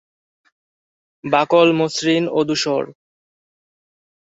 বাকল মসৃণ ও ধূসর।